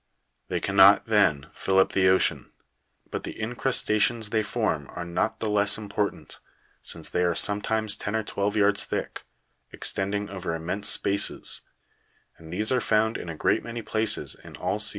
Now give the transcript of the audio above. They cannot, then, fill up the ocean ; but the incrusta tions they form are not the less important, since they are sometimes ten or twelve yards thick, extending over immense spaces, and these are found in a great many places in all seas comprehended 39.